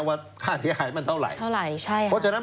ว่าค่าเสียหายมันเท่าไหร่เท่าไหร่ใช่ค่ะเพราะฉะนั้น